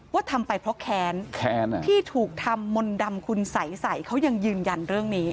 ทำไปเพราะแค้นแค้นที่ถูกทำมนต์ดำคุณใสเขายังยืนยันเรื่องนี้